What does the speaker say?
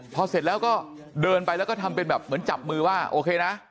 พอเสร็จแล้วก็เดินไปแล้วก็ทำเป็นแบบเหมือนจับมือว่าโอเคนะ